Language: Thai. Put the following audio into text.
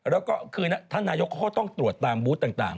แล้วก็คือท่านนายกเขาก็ต้องตรวจตามบูธต่าง